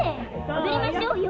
踊りましょうよ。